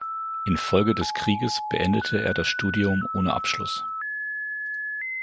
Infolge des Krieges beendete er das Studium ohne Abschluss.